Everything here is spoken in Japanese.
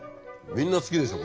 みんな好きでしょ。